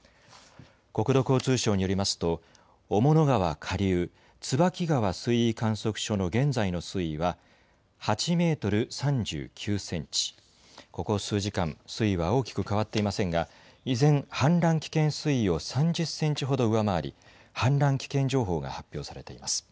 国土交通省によりますと雄物川下流、椿川水位観測所の現在の水位は８メートル３９センチ、ここ数時間、水位は大きく変わっていませんが依然、氾濫危険水位を３０センチほど上回り氾濫危険情報が発表されています。